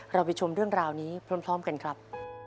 เราไปชมเรื่องราวนี้พร้อมกันครับ